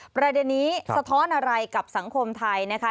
ประเด็นนี้สะท้อนอะไรกับสังคมไทยนะคะ